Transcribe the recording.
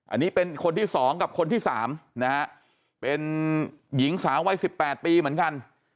อันนี้เป็นคนที่๒กับคนที่๓นะฮะเป็นหญิงสาววัย๑๘ปีเหมือนกัน